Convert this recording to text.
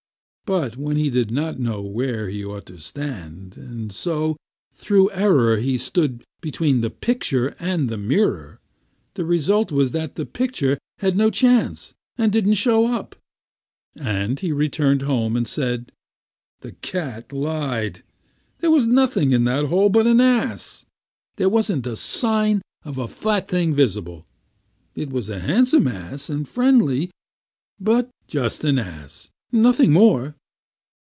But he did not know where he ought to stand; and so, through error, he stood between the picture and the mirror. The result was that the picture had no chance, and didn't show up. He returned home and said: "The cat lied. There was nothing in that hole but an ass. There wasn't a sign of a flat thing visible. It was a handsome ass, and friendly, but just an ass, and nothing more."